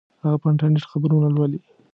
هغه په انټرنیټ خبرونه لولي